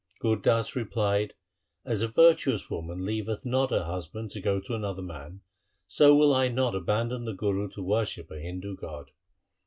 Gur Das replied, ' As a vir tuous woman leaveth not her husband to go to another man, so will I not abandon the Guru to worship a Hindu god.